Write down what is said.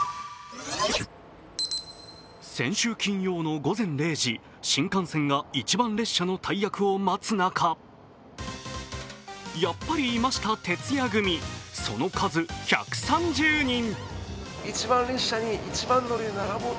先週金曜の午前０時、新幹線が一番列車の大役を待つ中、やっぱりいました徹夜組その数１３０人。